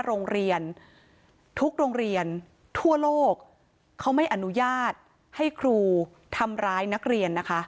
โรงเรียนทุกโรงเรียนทั่วโลกเขาไม่อนุญาตให้ครูทำร้ายนักเรียนนะคะ